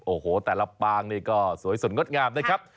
โอ้โหแต่ละปางนี่ก็สวยสดงดงามนะครับ